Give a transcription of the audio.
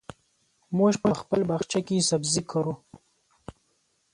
موږ په خپل باغچه کې سبزي کرو.